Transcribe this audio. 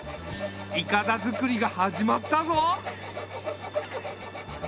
いかだ作りが始まったぞ。